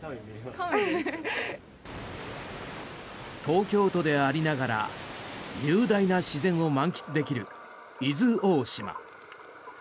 東京都でありながら雄大な自然を満喫できる伊豆大島。